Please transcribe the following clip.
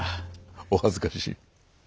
お恥ずかしい。